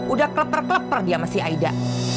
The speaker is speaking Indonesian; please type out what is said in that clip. udah kleper kleper dia sama si aida